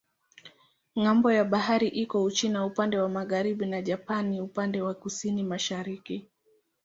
Ng'ambo ya bahari iko Uchina upande wa magharibi na Japani upande wa kusini-mashariki.